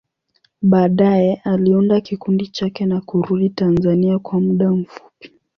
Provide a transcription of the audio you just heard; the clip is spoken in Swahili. Baadaye, aliunda kikundi chake na kurudi Tanzania kwa muda mfupi.